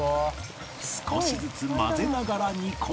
少しずつ混ぜながら煮込めば